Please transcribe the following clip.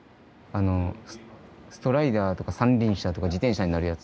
あのストライダーとか三輪車とか自転車になるやつ。